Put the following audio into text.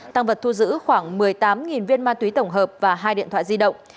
tăng vật thu giữ khoảng một mươi tám viên ma túy tổng hợp và hai điện thoại di động